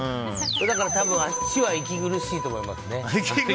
だから、多分あっちは息苦しいと思いますね。